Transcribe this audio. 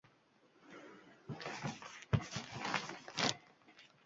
Juda bopladik-da, rahmat sizga, bir balodan qutqardingiz